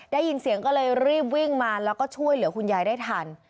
ได้ยินเสียงก็เลยรีบวิ่งมาแล้วก็ช่วยเหลือคุณยายได้ทัน